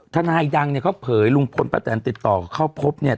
ทนายดังเนี่ยเขาเผยลุงพลป้าแตนติดต่อเข้าพบเนี่ย